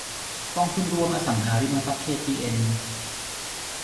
กองทุนรวมอสังหาริมทรัพย์เคพีเอ็น